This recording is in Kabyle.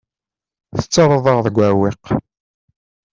Tettarraḍ-aɣ deg uɛewwiq.